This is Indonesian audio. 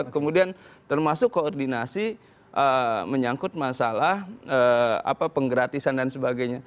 kemudian termasuk koordinasi menyangkut masalah penggratisan dan sebagainya